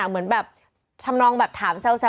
เหมือนแบบทำนองแบบถามแซว